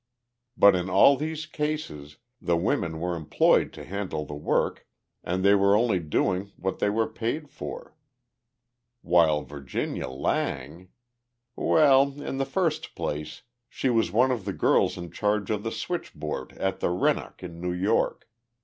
But in all these cases the women were employed to handle the work and they were only doing what they were paid for, while Virginia Lang Well, in the first place, she was one of the girls in charge of the switchboard at the Rennoc in New York.